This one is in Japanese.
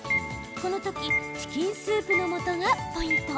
このとき、チキンスープのもとがポイント。